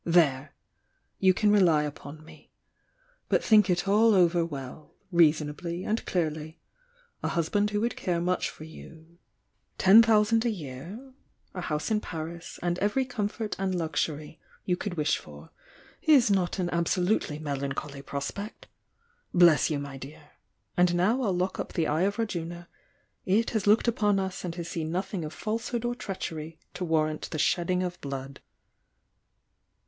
There! You can rely upon me. But think it all over well, rea sonably, and clearly — a husband who would care much for you, ten thousand a year, a house in Paris and every comfort and luxury you could wish for is not an absolutely melancholy prospect! Bless you, my dear! And now I'll lock up the 'Eye of Rajuna' — it has looked upon us and has seen noth ing of falsehood or treachery to warrant the shed ding of blood!"